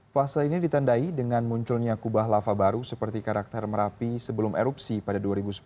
fase ini ditandai dengan munculnya kubah lava baru seperti karakter merapi sebelum erupsi pada dua ribu sepuluh